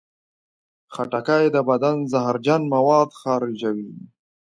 خټکی د بدن زهرجن مواد خارجوي.